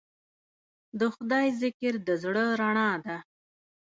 د خدای ذکر د زړه رڼا ده.